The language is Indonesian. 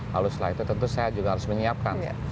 lalu setelah itu tentu saya juga harus menyiapkan